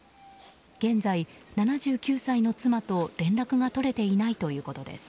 現在７９歳の妻と、連絡が取れていないということです。